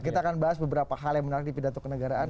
kita akan bahas beberapa hal yang menarik di pidato kenegaraan